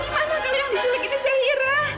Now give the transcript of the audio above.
gimana kalau yang diculik ini zaira